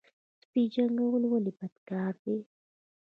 سپي جنګول ولې بد کار دی؟